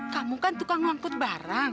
kamu kan tukang ngangkut barang